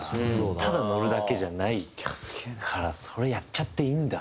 ただのるだけじゃないからそれやっちゃっていいんだみたいな。